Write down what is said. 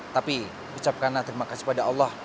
tapi ucapkanlah terima kasih pada allah